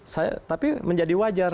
saya tapi menjadi wajar